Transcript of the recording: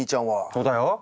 そうだよ。